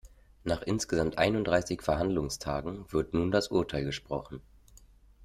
Nach insgesamt einunddreißig Verhandlungstagen wird nun das Urteil gesprochen.